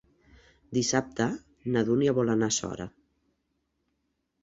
Dissabte na Dúnia vol anar a Sora.